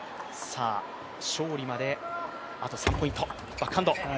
勝利まで、あと３ポイント。